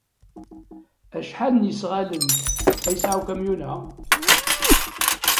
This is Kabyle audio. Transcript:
Acḥal n yesɣalen ay yesɛa ukamyun-a?